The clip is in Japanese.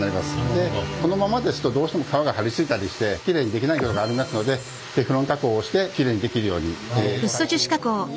でこのままですとどうしても皮が張り付いたりしてきれいにできないことがありますのでテフロン加工をしてきれいにできるように最終的に。